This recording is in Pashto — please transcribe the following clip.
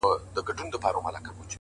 پوړني به د ټول هيواد دربار ته ور وړم;